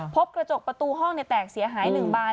พบกระจกประตูห้องแตกเสียหาย๑บาน